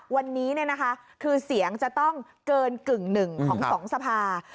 วันนี้คือเสียงจะต้องเกินกึ่งหนึ่งของ๒สภา